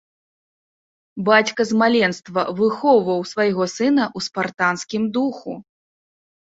Бацька з маленства выхоўваў свайго сына ў спартанскім духу.